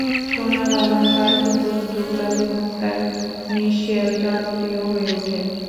সোনার অলঙ্কারে ক্ষুদ্র ক্ষুদ্র গোলাপি মুক্তার মিশেল জনপ্রিয় হয়ে ওঠে।